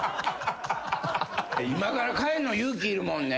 今から変えんの勇気いるもんね。